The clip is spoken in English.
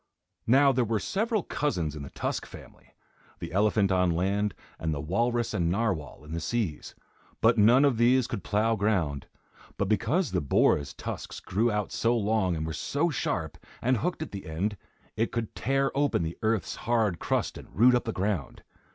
Now there were several cousins in the Tusk family. The elephant on land, and the walrus and narwhal in the seas; but none of these could plough ground, but because the boar's tusks grew out so long and were so sharp, and hooked at the end, it could tear open the earth's hard crust and root up the ground.